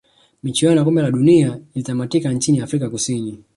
michuano ya kombe la dunia ilitamatika nchini afrika kusini